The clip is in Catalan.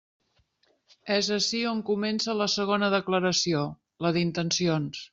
És ací on comença la segona declaració, la d'intencions.